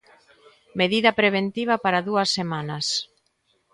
Medida preventiva para dúas semanas.